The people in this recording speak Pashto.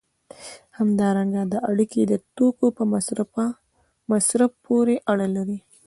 همدارنګه دا اړیکې د توکو په مصرف پورې اړه لري.